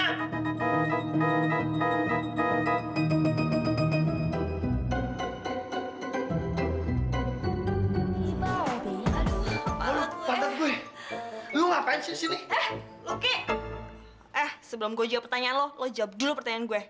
eh luki eh sebelum gue jawab pertanyaan lo lo jawab dulu pertanyaan gue